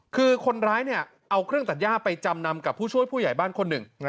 คือคนร้ายเอาเครื่องตัดย่าไปจำนำกับผู้ช่วยผู้ใหญ่บ้านคนหนึ่ง